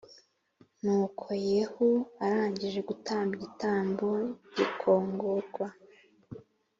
Nuko yehu arangije gutamba igitambo gikongorwa